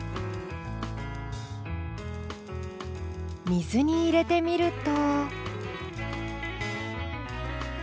水に入れてみると。